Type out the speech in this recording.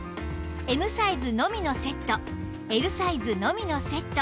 Ｍ サイズのみのセット Ｌ サイズのみのセット